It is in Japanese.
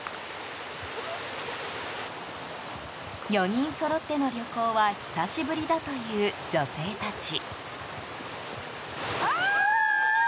４人そろっての旅行は久しぶりだという女性たち。